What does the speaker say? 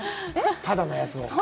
ただのやつね。